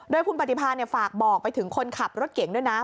โดยคุณปฏิพาฝากบอกไปถึงคนขับรถเก่งด้วยนะ